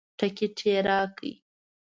ټکټ یې راکړ.